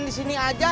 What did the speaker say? utilakan app saja